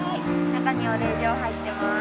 中にお礼状入ってます。